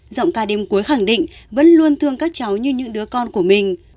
giọng ca đêm cuối khẳng định vẫn luôn thương các cháu như những đứa con của mình